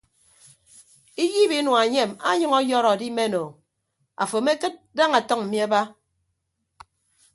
Iyiib inua enyem anyʌñ ọyọrọ adimen o afo amekịd daña atʌñ mmi aba.